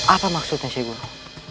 apa maksudnya syekh guru